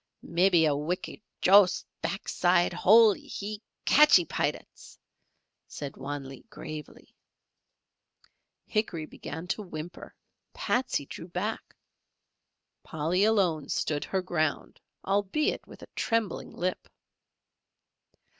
"Mebbee a wicked Joss backside holee, He catchee Pilats," said Wan Lee, gravely. Hickory began to whimper, Patsey drew back, Polly alone stood her ground, albeit with a trembling lip.